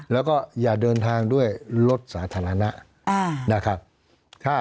แล้วก็อย่าเดินทางด้วยรถสาธารณะนะครับ